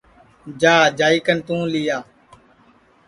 جا جائی کن توں لیا